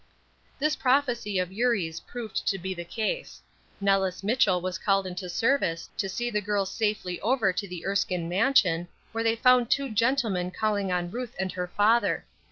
This prophecy of Eurie's proved to be the case. Nellis Mitchell was called into service to see the girls safely over to the Erskine mansion, where they found two gentlemen calling on Ruth and her father.